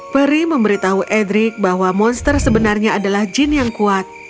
peri memberitahu edric bahwa monster sebenarnya adalah jin yang kuat